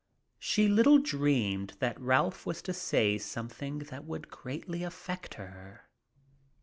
She little dreamed that Ralph was to say something that would greatly affect her.